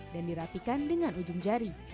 dan dirapikan dengan ujung jari